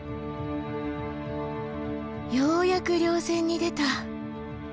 ようやく稜線に出た。